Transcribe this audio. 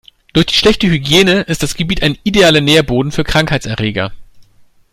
Durch die schlechte Hygiene ist das Gebiet ein idealer Nährboden für Krankheitserreger.